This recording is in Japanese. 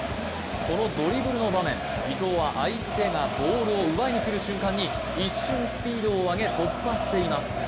このドリブルの場面、伊東は相手がボールを奪いに来る瞬間に一瞬、スピードを上げ突破しています。